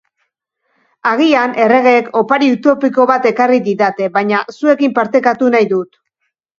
Agian erregeek opari utopiko bat ekarri didate, baina zuekin partekatu nahi dut.